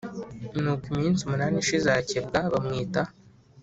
Nuko iminsi munani ishize arakebwa bamwita